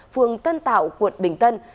phường tân tạo quận bình tân